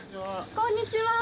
こんにちは。